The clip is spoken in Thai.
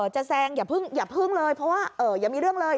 แซงอย่าพึ่งเลยเพราะว่าอย่ามีเรื่องเลย